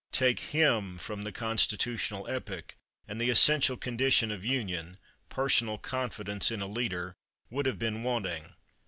Take him from the constitutional epoch, and the essential condition of union, personal confidence in a leader, would have been wanting.